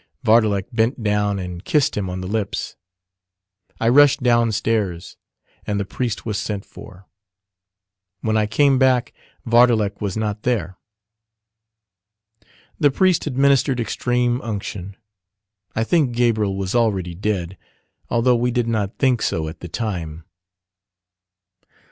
Vardalek bent down and kissed him on the lips. I rushed downstairs: and the priest was sent for. When I came back Vardalek was not there. The priest administered extreme unction. I think Gabriel was already dead, although we did not think so at the time.